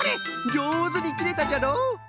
じょうずにきれたじゃろ？